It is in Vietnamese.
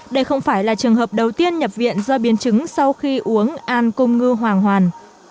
đây không phải là trường hợp đầu tiên nhập viện do biến chứng sau khi uống an cung ngư hoàng hoàn